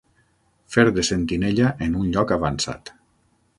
Fer de sentinella en un lloc avançat.